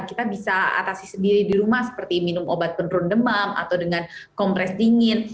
kita bisa atasi sendiri di rumah seperti minum obat penurun demam atau dengan kompres dingin